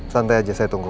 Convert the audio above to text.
santai aja saya tunggu